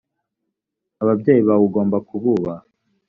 ababyeyi bawe ugomba kububaha.